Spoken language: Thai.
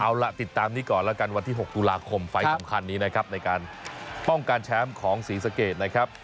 เอาล่ะติดตามนี้ก่อนแล้วกันวันที่๖ตุลาคมไฟล์สำคัญนี้นะครับในการป้องกันแชมป์ของศรีสะเกดนะครับ